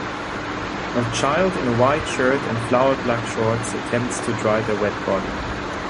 A child in a white shirt and flowered black shorts attempts to dry their wet body.